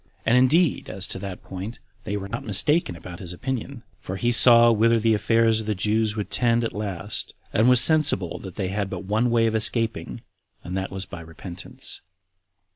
And indeed, as to that point, they were not mistaken about his opinion; for he saw whither the affairs of the Jews would tend at last, and was sensible that they had but one way of escaping, and that was by repentance.